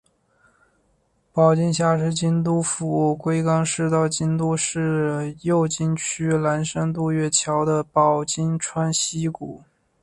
保津峡是京都府龟冈市到京都市右京区岚山渡月桥的保津川溪谷。